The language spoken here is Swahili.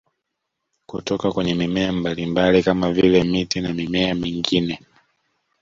Kutoka kwenye mimea mbalimbali kama vile miti na mimea mingine